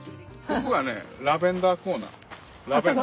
ああそこラベンダーコーナー。